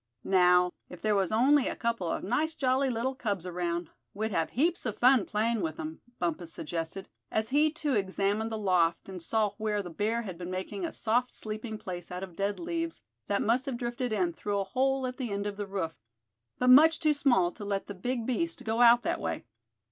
"Now, if there was only a couple of nice jolly little cubs around, we'd have heaps of fun playing with 'em," Bumpus suggested, as he too examined the loft, and saw where the bear had been making a soft sleeping place out of dead leaves that must have drifted in through a hole at the end of the roof, but much too small to let the big beast go out that way.